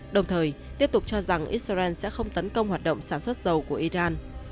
đồng thời tiếp tục cho rằng israel sẽ không tấn công hoạt động sản xuất dầu của iran